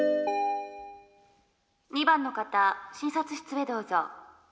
「２番の方診察室へどうぞ」。